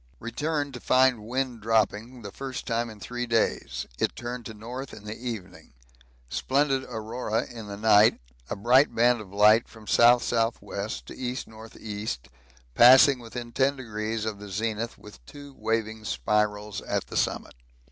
Returned to find wind dropping, the first time for three days. It turned to north in the evening. Splendid aurora in the night; a bright band of light from S.S.W. to E.N.E. passing within 10° of the zenith with two waving spirals at the summit.